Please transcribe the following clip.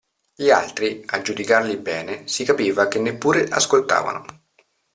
Gli altri, a giudicarli bene, si capiva che neppure ascoltavano.